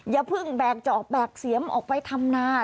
อย่าเพิ่งแบกจอกแบกเสียมออกไปทำนา